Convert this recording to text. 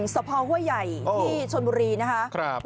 สะพอห้วยใหญ่ที่ชนบุรีนะคะ